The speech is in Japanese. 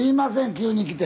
急に来て。